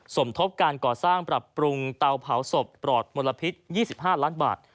สมทบการก่อสร้างปรับปรุงเตาเผาศพปลอดมลพิษ๒๕ล้านบาท